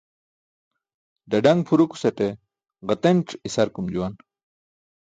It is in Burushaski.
Ḍaḍaṅ phurukusate ġatenc̣ isakurum juwan